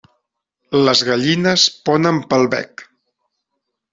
Les gallines ponen pel bec.